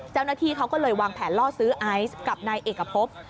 เจ้าหน้าที่ก็เลยวางแผนรอซื้อไอซ์กับเนายักภพ